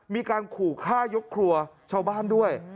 มีการขู่ฆ่ายกครัวชาวบ้านด้วย